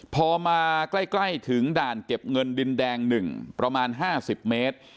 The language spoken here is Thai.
พอมาใกล้ถึงด่านเก็บเงินดินแดง๑ประมาณ๕๐เมตร